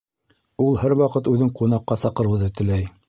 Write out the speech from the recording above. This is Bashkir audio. Ул һәр ваҡыт үҙен ҡунаҡҡа саҡырыуҙы теләй